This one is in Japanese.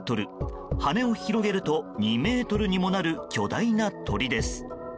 羽を広げると２ｍにもなる巨大な鳥です。